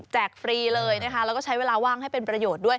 ฟรีเลยนะคะแล้วก็ใช้เวลาว่างให้เป็นประโยชน์ด้วย